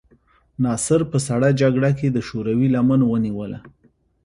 ناصر په سړه جګړه کې د شوروي لمن ونیوله.